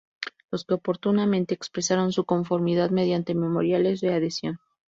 Los que oportunamente expresaron su conformidad mediante memoriales de adhesión.